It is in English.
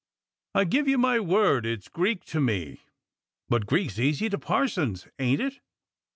I give you my word it's Greek to me." "But Greek's easy to parsons, ain't it?"